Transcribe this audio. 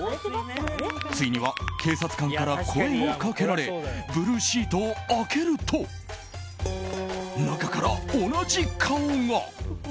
ついには警察官から声をかけられブルーシートを開けると中から、同じ顔が！